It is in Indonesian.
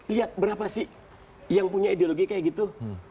lihat berapa sih yang punya ideologi kayak gitu